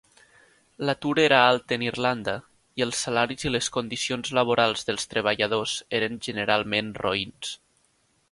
L'atur era alt en Irlanda, i els salaris i les condicions laborals dels treballadors eren generalment roïns.